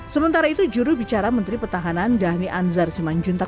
sementara itu juru bicara menteri pertahanan dhani anzar simanjuntak